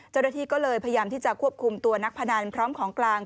เจ้าหน้าที่ก็เลยพยายามที่จะควบคุมตัวนักพนันพร้อมของกลาง